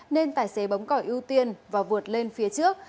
nên tài xế bấm còi ưu tiên và vượt lên phía trước